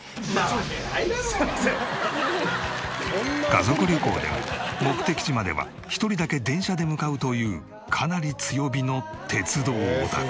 家族旅行でも目的地までは１人だけ電車で向かうというかなり強火の鉄道オタク。